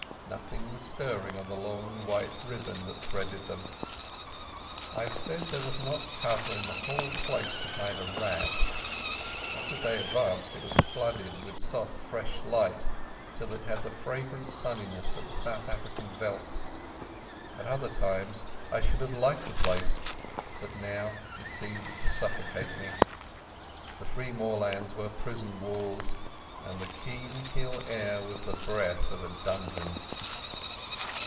Nothing was stirring on the long white ribbon that threaded them. I have said there was not cover in the whole place to hide a rat. As the day advanced it was flooded with soft fresh light till it had the fragrant sunniness of the South African veld. At other times I would have liked the place, but now it seemed to suffocate me. The free moorlands were prison walls, and the keen hill air was the breath of a dungeon.